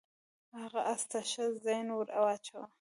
هغه اس ته ښه زین ور واچاوه.